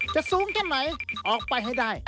สูงแค่ไหนออกไปให้ได้